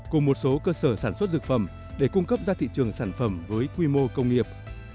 cùng một số cơ sở sản xuất dược phẩm để cung cấp ra thị trường sản phẩm với quy mô công nghiệp